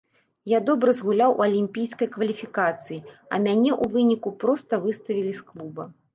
Я добра згуляў у алімпійскай кваліфікацыі, а мяне ў выніку проста выставілі з клуба.